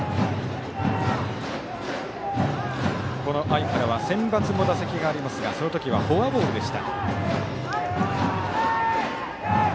相原はセンバツも打席がありますがその時はフォアボールでした。